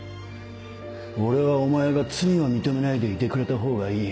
俺はお前が罪を認めないでいてくれたほうがいい。